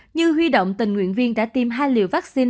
như huy động tình nguyện viên đã tiêm hai liều vaccine